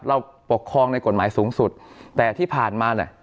เราปกครองในกฎหมายสูงสุดแต่ที่ผ่านมาเนี่ย